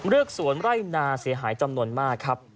กสวนไร่นาเสียหายจำนวนมากครับ